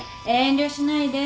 遠慮しないで。